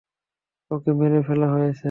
ওকে মেরে ফেলা হয়েছে।